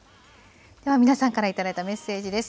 では皆さんから頂いたメッセージです。